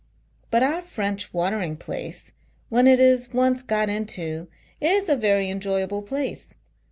But, our French watering place when it is , once got into, is a very enjoyable place.